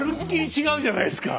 違うじゃないですか。